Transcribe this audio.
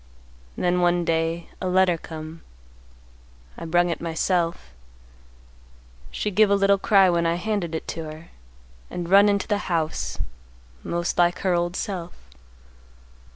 "Then one day, a letter come. I brung it myself. She give a little cry when I handed it to her, and run into the house, most like her old self.